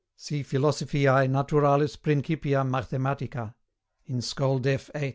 See Philosophiae Naturalis Principia Mathematica, in Schol. Def. VIII.